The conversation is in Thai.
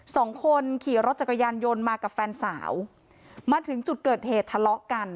สองคนขี่รถจักรยานยนต์มากับแฟนสาวมาถึงจุดเกิดเหตุทะเลาะกัน